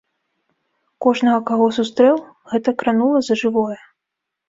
Кожнага, каго сустрэў, гэта кранула за жывое.